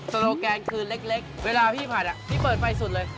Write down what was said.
โลแกนคืนเล็กเวลาพี่ผัดพี่เปิดไฟสุดเลย